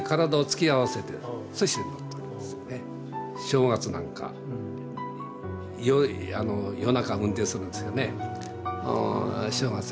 正月なんか夜中運転するんですよね。